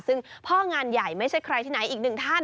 ซึ่งพ่องานใหญ่ไม่ใช่ใครที่ไหนอีกหนึ่งท่าน